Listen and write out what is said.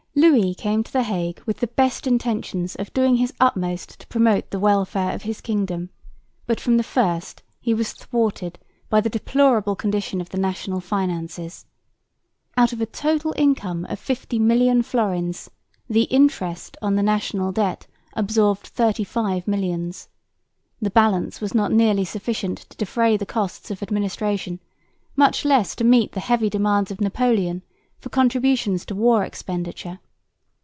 Louis came to the Hague with the best intentions of doing his utmost to promote the welfare of his kingdom, but from the first he was thwarted by the deplorable condition of the national finances. Out of a total income of fifty million florins the interest on the national debt absorbed thirty five millions. The balance was not nearly sufficient to defray the costs of administration, much less to meet the heavy demands of Napoleon for contributions to war expenditure.